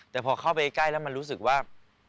แต่พอเข้าไปใกล้แล้วมันรู้สึกว่า